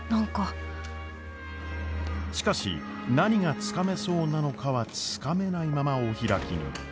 しかし何がつかめそうなのかはつかめないままお開きに。